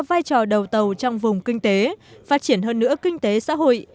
vai trò đầu tàu trong vùng kinh tế phát triển hơn nữa kinh tế xã hội